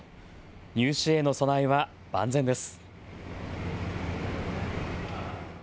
入試への備えは万全です。